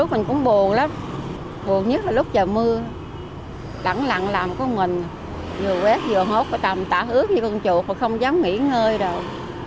ước mình cũng buồn lắm buồn nhất là lúc trời mưa lặng lặng làm có mình vừa quét vừa hốt tầm tả ước như con chuột mà không dám nghỉ ngơi đâu